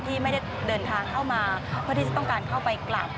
ที่ไม่ได้เดินทางเข้ามาเพื่อที่จะต้องการเข้าไปกลับ